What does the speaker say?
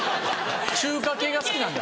中華系が好きなんだ。